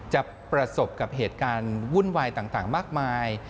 จะประสบกับเหตุการณ์วุ่นวายต่างมากมาย